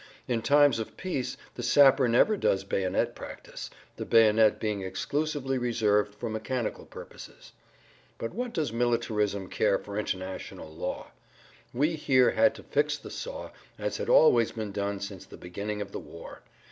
In times of peace the sapper never does bayonet practice, the bayonet being exclusively reserved for mechanical purposes. But what does militarism care for international law! We here had to fix the saw, as had always been done since the beginning of the war.